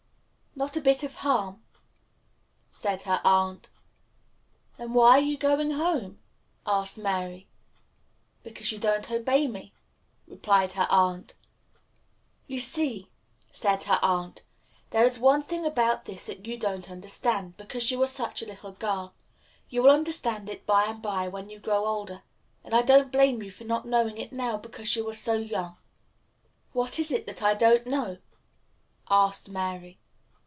"Not a bit of harm," said her aunt. "Then why are you going home?" asked Mary. "Because you don't obey me," replied her aunt. "You see," said her aunt, "there is one thing about this that you don't understand, because you are such a little girl. You will understand it by and by, when you grow older; and I don't blame you for not knowing it now, because you are so young." "What is it that I don't know?" asked Mary.